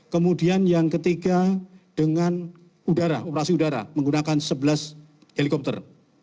kemudian yang ketiga dengan udara operasi udara menggunakan sebelas helikopter